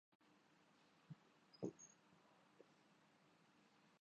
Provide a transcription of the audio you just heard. ایک امریکی خاتون کو پاکستان کیسا لگا